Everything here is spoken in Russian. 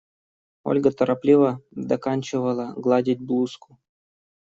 Ольга торопливо доканчивала гладить блузку.